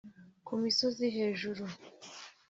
ku misozi hejuru